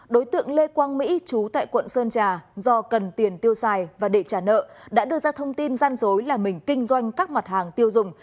đối tượng lê quang mỹ chú tại quận sơn trà do cần tiền tiêu xài và đệ trả nợ đã đưa ra thông tin gian dối là mình kinh doanh các mặt hàng tiêu dùng